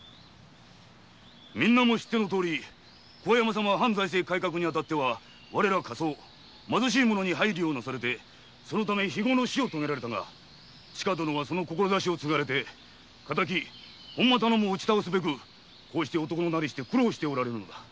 みんなも知ってのとおり桑山様は藩財政改革に当たっては我ら下層貧しい者に配慮をなされてそのため非業の死を遂げられたが千加殿はその志を継がれて本間頼母を倒すべく男の態をして苦労しておられるのだ。